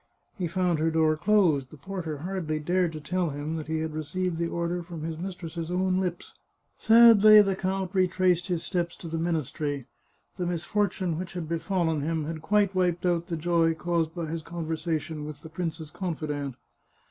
He found her door closed; the porter hardly dared to tell him that he had received the order from his mistress's own lips. Sadly the count retraced his steps to the ministry ; the mis 312 The Chartreuse of Parma fortune which had befallen him had quite wiped out the joy caused by his conversation with the prince's confidant.